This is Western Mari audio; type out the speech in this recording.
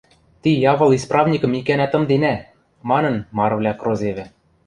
– Ти явыл исправникӹм икӓнӓ тымденӓ! – манын, марывлӓ крозевӹ.